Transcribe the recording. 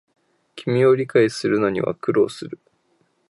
君を理解するのには苦労する